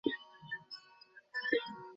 আরে, তোমার চুল কিভাবে কাটলে?